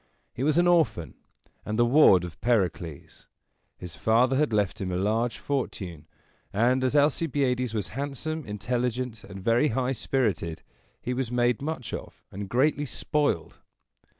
He was an orphan, and the ward of Pericles. His father had left him a large fortune; and, as Alcibiades was handsome, intelligent, and very high spirited, he was made much of and greatly spoiled.